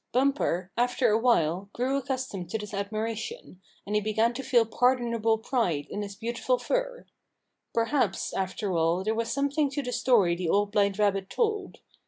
Bumper, after a while, grew accustomed to this Bumper Hunts With the Pack 11 admiration, and he began to feel pardonable pride in his beautiful fur. Perhaps, after all, there was something to the story the Old Blind Rabbit told.